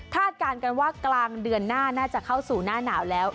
การกันว่ากลางเดือนหน้าน่าจะเข้าสู่หน้าหนาวแล้ว